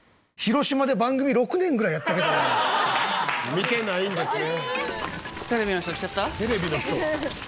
見てないんですね。